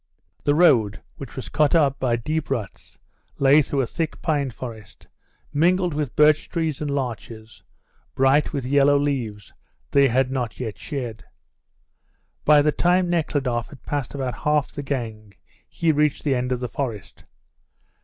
The road, which was cut up by deep ruts, lay through a thick pine forest, mingled with birch trees and larches, bright with yellow leaves they had not yet shed. By the time Nekhludoff had passed about half the gang he reached the end of the forest.